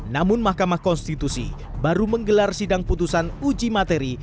namun mahkamah konstitusi baru menggelar sidang putusan uji materi